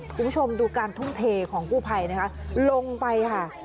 คุณผู้ชมดูการทุ่มเทของกู้ภัยนะคะลงไปค่ะ